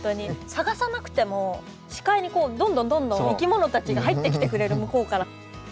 探さなくても視界にどんどんどんどんいきものたちが入ってきてくれる向こうから。